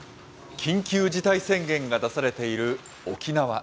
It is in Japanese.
緊急事態宣言が出されている沖縄。